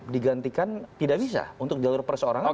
digantikan tidak bisa untuk jalur perseorangan